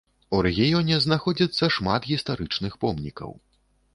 У рэгіёне знаходзіцца шмат гістарычных помнікаў.